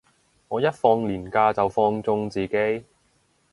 我一放連假就放縱自己